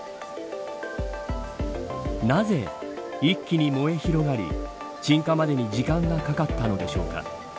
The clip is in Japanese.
なぜ、一気に燃え広がり鎮火までに時間が掛かったのでしょうか。